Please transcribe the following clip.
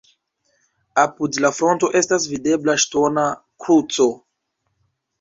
Apud la fronto estas videbla ŝtona kruco.